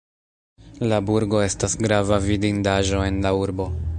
La burgo estas grava vidindaĵo en la urbo.